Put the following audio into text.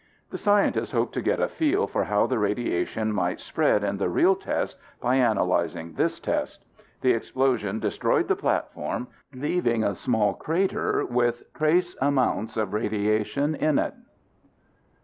The scientists hoped to get a feel for how the radiation might spread in the real test by analyzing this test. The explosion destroyed the platform, leaving a small crater with trace amounts of radiation in it.